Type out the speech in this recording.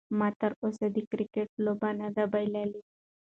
ما تر اوسه د کرکټ لوبه نه ده بایللې.